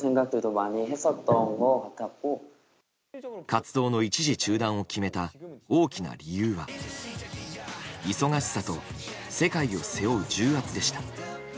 活動の一時中断を決めた大きな理由は忙しさと世界を背負う重圧でした。